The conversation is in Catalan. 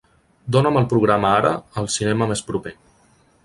Dona'm el programa ara al cinema més proper.